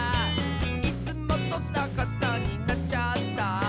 「いつもとさかさになっちゃった」